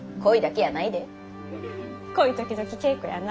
恋時々稽古やな。